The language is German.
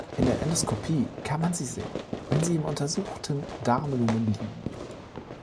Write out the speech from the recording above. In der Endoskopie kann man sie sehen, wenn sie im untersuchten Darmlumen liegen.